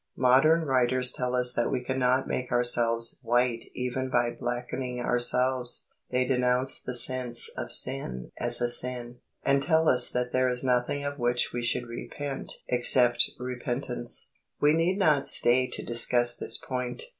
Modern writers tell us that we cannot make ourselves white even by blackening ourselves. They denounce the sense of sin as a sin, and tell us that there is nothing of which we should repent except repentance. We need not stay to discuss this point.